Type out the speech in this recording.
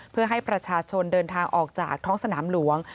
เพื่อให้ประชาชนเดินทางออกจากท้องสนามหลวง